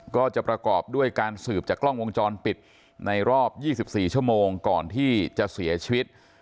ก็จะประกอบด้วยการสืบจากกล้องวงจรปิดในรอบ๒๔ชั่วโมงก่อนที่จะเสียชีวิต